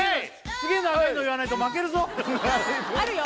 すげえ長いの言わないと負けるぞあるよ